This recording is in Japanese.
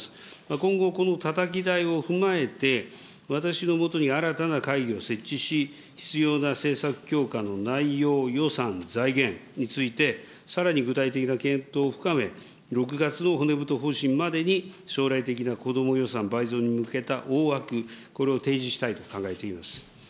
今後、このたたき台を踏まえて、私のもとに新たな会議を設置し、必要な政策強化の内容、予算、財源について、さらに具体的な検討を深め、６月の骨太方針までに、将来的な子ども予算倍増に向けた大枠、これを提示したいと考えています。